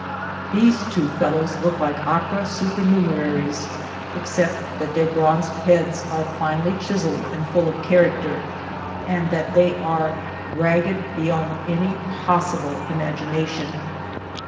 These two fellows look like opera supernumeraries, ex rj! '"\^^^'^ cept that their bronzed heads are finely chis elled and full of character, and that they are ragged beyond any possible imagination.